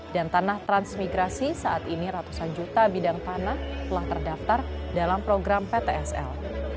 dan tanah transmigrasi saat ini ratusan juta bidang tanah telah terdaftar dalam program ptsl